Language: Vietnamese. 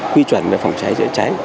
quy chuẩn về phòng cháy chữa cháy